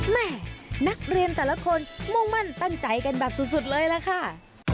แม่นักเรียนแต่ละคนมุ่งมั่นตั้งใจกันแบบสุดเลยล่ะค่ะ